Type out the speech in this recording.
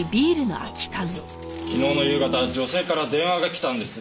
昨日の夕方女性から電話がきたんです。